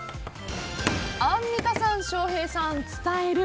アンミカさん、翔平さん、伝える。